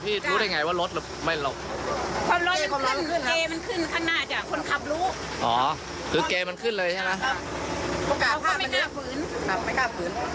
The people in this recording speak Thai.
พี่รู้ได้ไงว่ารถไม่หลบรถมันขึ้นเกมมันขึ้นขนาดอย่างคนขับรู้